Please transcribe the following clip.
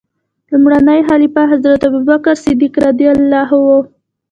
لومړنی خلیفه حضرت ابوبکر صدیق رض و.